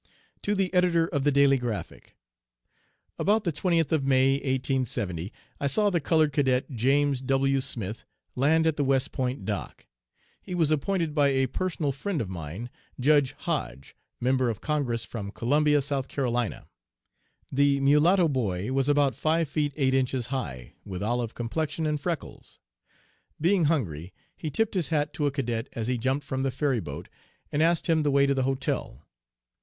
To the Editor of the Daily Graphic: About the 20th of May, 1870, I saw the colored Cadet, James W. Smith land at the West Point Dock. He was appointed by a personal friend of mine, Judge Hoge, Member of Congress from Columbia, South Carolina. The mulatto boy was about five feet eight inches high, with olive complexion and freckles. Being hungry he tipped his hat to a cadet as he jumped from the ferry boat and asked him the way to the hotel.